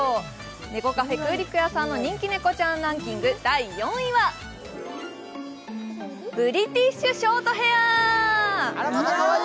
猫カフェ、空陸家さんの人気猫ランキング、第４位は、ブリティッシュ・ショートヘア。